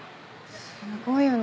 すごいよね